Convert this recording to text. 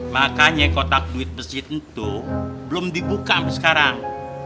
makanya kotak duit masjid itu belum dibuka sampai sekarang